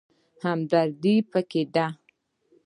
همدردي پکار ده